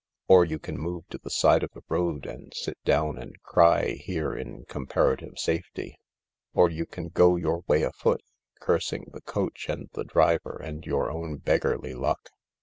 Or you can move to the side of the road and sit down and cry here in comparative safety. Or you can go your way afoot, cursing the coach and the driver and your own beggarly luck.